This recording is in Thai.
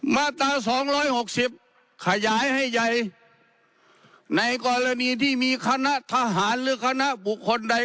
มาตราสองร้อยหกสิบขยายให้ใหญ่ในกรณีที่มีคณะทหารหรือคณะบุคคลใด